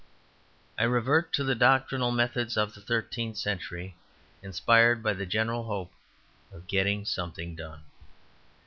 I revert to the doctrinal methods of the thirteenth century, inspired by the general hope of getting something done.